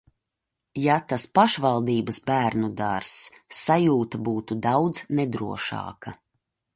Ja tas pašvaldības bērnudārzs, sajūta būtu daudz nedrošāka.